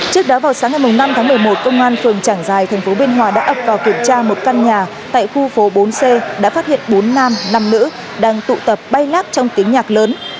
trước đó vào sáng ngày năm tháng một mươi một công an phường trảng giài tp biên hòa đã ập vào kiểm tra một căn nhà tại khu phố bốn c đã phát hiện bốn nam năm nữ đang tụ tập bay lát trong tiếng nhạc lớn